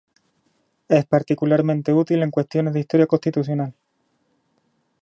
Es particularmente útil en cuestiones de historia constitucional.